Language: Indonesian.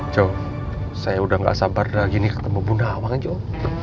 jho saya udah gak sabar lagi nih ketemu bu nawang jho